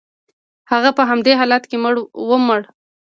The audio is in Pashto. هغه په همدې حالت کې ومړ.